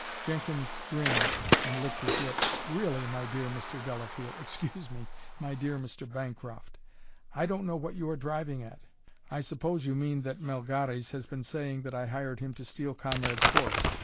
Jenkins grinned and licked his lips. "Really, my dear Mr. Delafield excuse me my dear Mr. Bancroft I don't know what you are driving at! I suppose you mean that Melgares has been saying that I hired him to steal Conrad's horse.